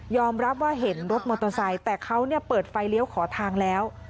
รับว่าเห็นรถมอเตอร์ไซค์แต่เขาเปิดไฟเลี้ยวขอทางแล้ว